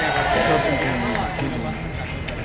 Carpenter was acquitted.